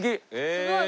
すごい。